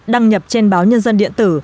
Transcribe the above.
đăng nhập trên báo nhân dân điện tử